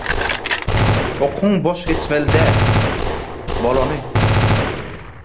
Okuň boş geçmeli däl. Bolany.